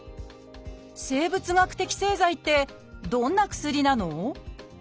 「生物学的製剤」ってどんな薬なの？